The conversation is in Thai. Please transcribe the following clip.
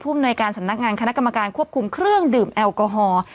อำนวยการสำนักงานคณะกรรมการควบคุมเครื่องดื่มแอลกอฮอล์